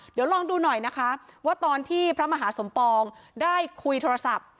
เดี๋ยวลองดูหน่อยนะคะว่าตอนที่พระมหาสมปองได้คุยโทรศัพท์